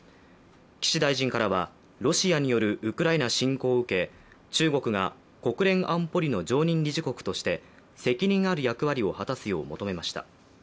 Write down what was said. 岸大臣からは、ロシアによるウクライナ侵攻を受け中国が、国連安保理の常任理事国として責任ある役割を果たすよう求めました。